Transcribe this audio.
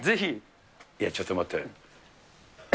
いや、ちょっと待って。